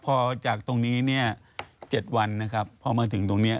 พอจากตรงนี้เนี่ย๗วันนะครับพอมาถึงตรงนี้